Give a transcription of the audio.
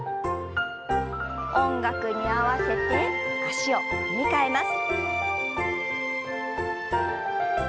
音楽に合わせて足を踏み替えます。